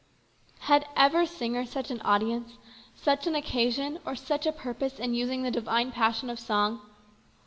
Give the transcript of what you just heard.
Had ever singer such an audience, such an occasion, or such a purpose in using the divine passion of song